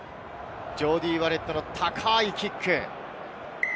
ジョーディー・バレットの高いキック。